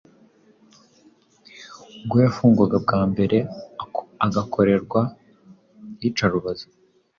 ubwo yafungwaga bwa mbere, agakorerwa iyicarubozo,